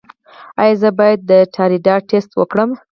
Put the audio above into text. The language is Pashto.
ایا زه باید د تایرايډ ټسټ وکړم؟